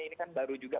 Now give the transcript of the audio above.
ini kan baru juga